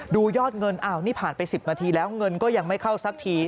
ยอดเงินอ้าวนี่ผ่านไป๑๐นาทีแล้วเงินก็ยังไม่เข้าสักที